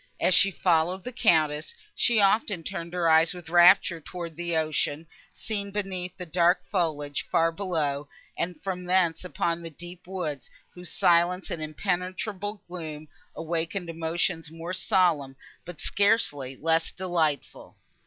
As she followed the Countess, she often turned her eyes with rapture towards the ocean, seen beneath the dark foliage, far below, and from thence upon the deep woods, whose silence and impenetrable gloom awakened emotions more solemn, but scarcely less delightful.